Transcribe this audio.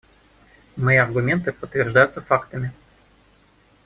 Мои аргументы подтверждаются фактами.